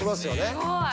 すごい。